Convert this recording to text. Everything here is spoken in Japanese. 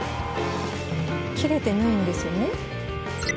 切れてないんですよね？